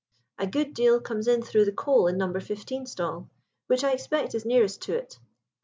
"A good deal comes in through the coal in No. 15 stall, which I expect is nearest to it.